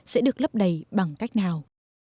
sẽ được lấp đầy bằng cách nào